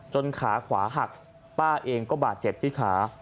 ขาขวาหักป้าเองก็บาดเจ็บที่ขา